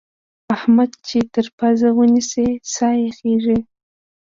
احمد چې تر پزه ونيسې؛ سا يې خېږي.